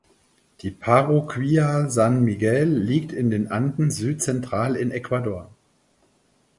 Die Parroquia San Miguel liegt in den Anden südzentral in Ecuador.